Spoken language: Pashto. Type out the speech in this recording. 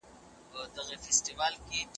علم د تېرو تجربو پر بنسټ راتلونکی نه سنجوي؟